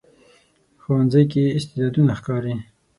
ښوونځی کې استعدادونه ښکاره کېږي